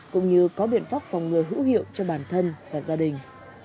cũng như có biện pháp phòng ngừa hữu hiệu cho bản thân và gia đình